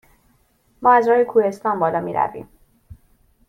ما از راه کوهستان بالا می رویم؟